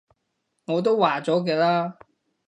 我都話咗嘅啦